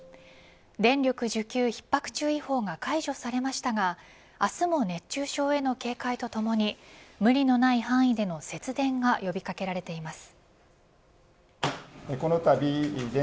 電力需給ひっ迫注意報が解除されましたが明日も熱中症への警戒とともに無理のない範囲での節電が呼び掛けられています。